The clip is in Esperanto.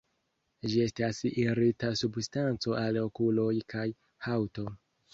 Ĝi estas irita substanco al okuloj kaj haŭto.